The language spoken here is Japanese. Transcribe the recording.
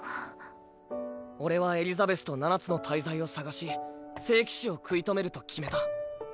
俺はエリザベスと七つの大罪を捜し聖騎士を食い止めると決めた。